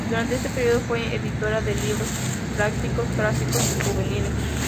Durante este periodo fue editora de libros prácticos, clásicos, y juveniles.